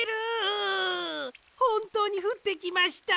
ほんとうにふってきました。